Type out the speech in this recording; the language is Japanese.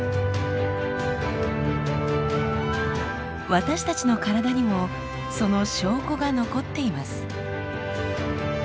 私たちの体にもその証拠が残っています。